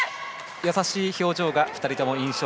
優しい表情がふたりとも印象的。